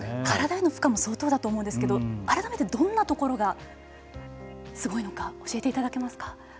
体への負荷も相当だと思うんですけど改めてどんなところがすごいのか教えていただけますか。